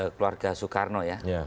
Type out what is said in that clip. keluarga soekarno ya